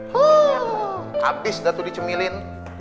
habis datuk dicemilin